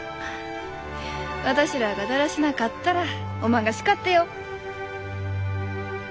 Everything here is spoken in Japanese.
私らあがだらしなかったらおまんが叱ってよ。